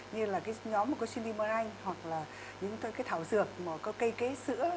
như là cái nhóm có shimrimoran hoặc là những cái thảo dược có cây kế sữa